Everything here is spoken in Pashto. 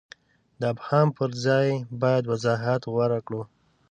د ابهام پر ځای باید وضاحت غوره کړو.